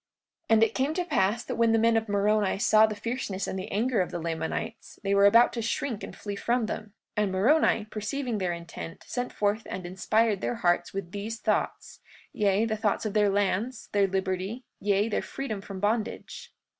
43:48 And it came to pass that when the men of Moroni saw the fierceness and the anger of the Lamanites, they were about to shrink and flee from them. And Moroni, perceiving their intent, sent forth and inspired their hearts with these thoughts—yea, the thoughts of their lands, their liberty, yea, their freedom from bondage.